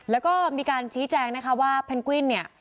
แล้วก็มีการชี้แจงนะคะว่าเพนกวินเนี่ย